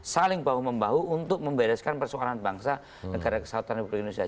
saling bahu membahu untuk membereskan persoalan bangsa negara kesatuan republik indonesia